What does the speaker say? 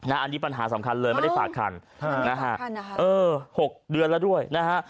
อันนี้ปัญหาสำคัญเลยไม่ได้ฝากคันนะฮะเออ๖เดือนแล้วด้วยนะฮะ